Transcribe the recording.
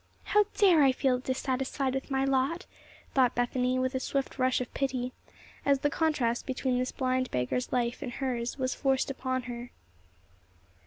"How dared I feel dissatisfied with my lot?" thought Bethany, with a swift rush of pity, as the contrast between this blind beggar's life and hers was forced upon her.